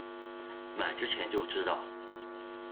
买之前就知道